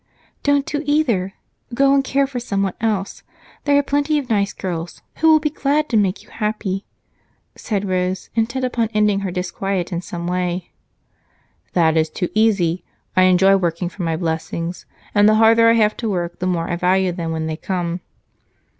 "Don't do either go and care for someone else; there are plenty of nice girls who will be glad to make you happy," said Rose, intent upon ending her disquiet in some way. "That is too easy. I enjoy working for my blessings, and the harder I have to work, the more I value them when they come."